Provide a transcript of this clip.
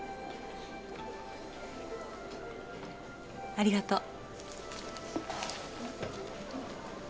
ありがとう。